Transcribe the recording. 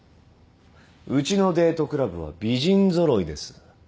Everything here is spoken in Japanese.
うちのデートクラブは美人揃いです。